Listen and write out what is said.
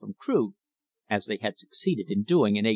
from crude, as they had succeeded in doing in 1872.